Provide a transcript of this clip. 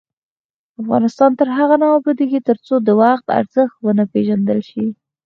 افغانستان تر هغو نه ابادیږي، ترڅو د وخت ارزښت ونه پیژندل شي.